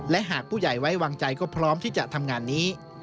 และหากผู้ใหญ่ไว้วางใจก็พร้อมที่จะทำงานนี้